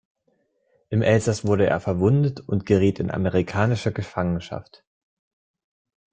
Im Elsass wurde er verwundet und geriet in amerikanische Gefangenschaft.